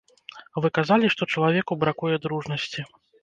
Вы казалі, што чалавеку бракуе дружнасці.